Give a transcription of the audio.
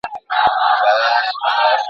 ښه ذهنیت روغتیا نه کموي.